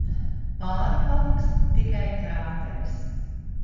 Pāri paliks tikai krāteris.